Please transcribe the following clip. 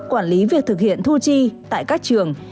quản lý việc thực hiện thu chi tại các trường